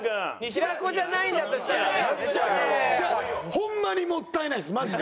ホンマにもったいないですマジで。